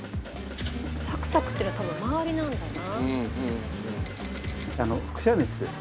サクサクっていうのは多分周りなんだろうな。